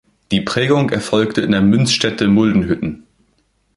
Die Prägung erfolgte in der Münzstätte Muldenhütten.